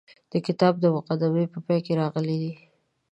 د کتاب د مقدمې په پای کې راغلي دي.